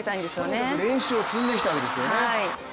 とにかく練習を積んできたわけですよね。